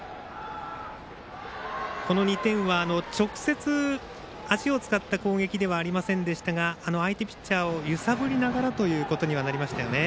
この２点は直接、足を使った攻撃ではありませんでしたが相手ピッチャーを揺さぶりながらということになりました。